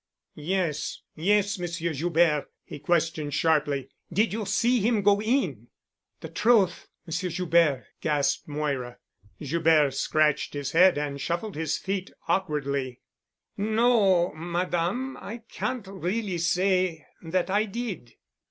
"Yes, yes, Monsieur Joubert," he questioned sharply, "did you see him go in?" "The truth—Monsieur Joubert," gasped Moira. Joubert scratched his head and snuffled his feet awkwardly. "No, Madame. I can't really say that I did."